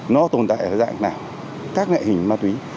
nó tồn tại ở dạng nào các loại hình ma túy